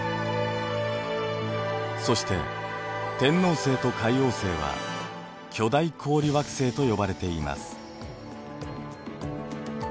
そして天王星と海王星は巨大氷惑星と呼ばれています。